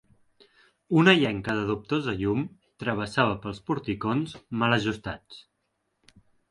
Una llenca de dubtosa llum travessava pels porticons mal ajustats.